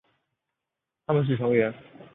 他们是成员。